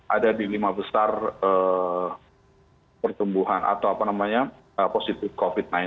ada di lima besar pertumbuhan atau apa namanya positif covid sembilan belas